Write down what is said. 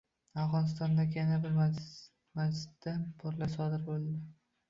Afg‘onistondagi yana bir masjidda portlash sodir etildi